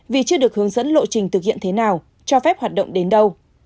vì chưa được hướng dẫn lộ trình thực hiện thế nào cho phép hoạt động đến đâu